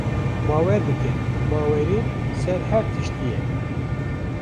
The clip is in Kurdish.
Bawer bike, bawerî ser her tiştî ye.